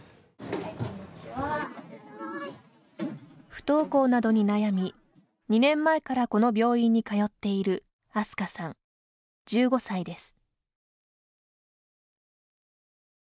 不登校などに悩み２年前からこの病院に通っているアスカさん、１５歳です。